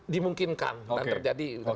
dimungkinkan dan terjadi